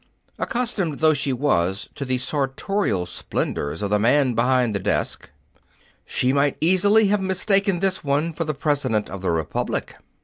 Accustomed though she was to the sartorial splendors of the man behind the desk, she might easily have mistaken this one for the president of the republic.